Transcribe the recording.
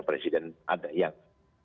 presiden ada yang